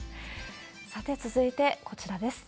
さて、続いてこちらです。